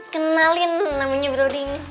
kenalin namanya broding